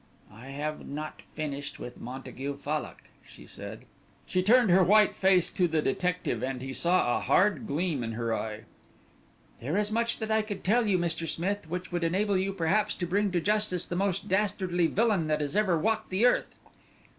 "I have not finished with Montague Fallock," she said. She turned her white face to the detective, and he saw a hard gleam in her eye. "There is much that I could tell you, Mr. Smith, which would enable you perhaps to bring to justice the most dastardly villain that has ever walked the earth."